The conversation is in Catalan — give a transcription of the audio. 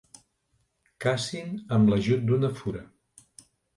Cacin amb l'ajut d'una fura.